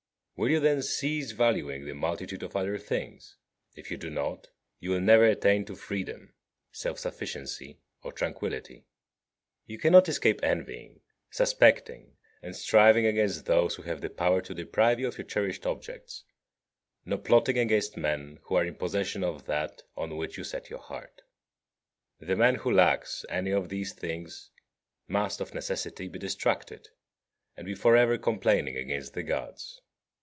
Will you, then, cease valuing the multitude of other things? If you do not, you will never attain to freedom, self sufficiency, or tranquillity. You cannot escape envying, suspecting, and striving against those who have the power to deprive you of your cherished objects, nor plotting against men who are in possession of that on which you set your heart. The man who lacks any of these things must, of necessity, be distracted, and be for ever complaining against the Gods.